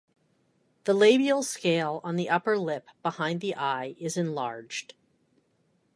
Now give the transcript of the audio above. The labial scale on the upper lip behind the eye is enlarged.